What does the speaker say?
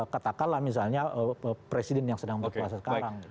katakanlah misalnya presiden yang sedang berkuasa sekarang